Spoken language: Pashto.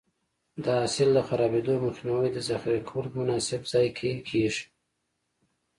د حاصل د خرابېدو مخنیوی د ذخیره کولو په مناسب ځای کې کېږي.